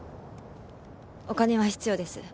お金は必要です。